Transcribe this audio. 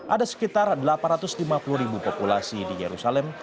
ada sekitar delapan ratus lima puluh ribu populasi di yerusalem